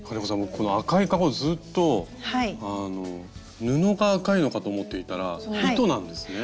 この赤いかごずっと布が赤いのかと思っていたら糸なんですね。